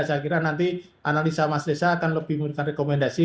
saya kira nanti analisa mas desa akan lebih memberikan rekomendasi